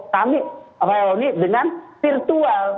kami dengan virtual